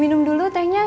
miriam juga mialah teman